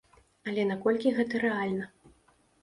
Але наколькі гэта рэальна?